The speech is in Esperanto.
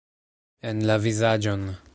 En la vizaĝon!